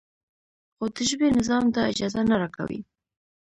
خو د ژبې نظام دا اجازه نه راکوي.